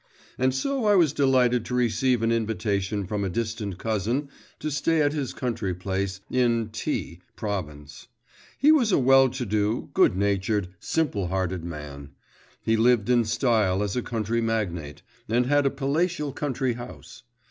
… And so I was delighted to receive an invitation from a distant cousin to stay at his country place in T … province. He was a well to do, good natured, simple hearted man; he lived in style as a country magnate, and had a palatial country house.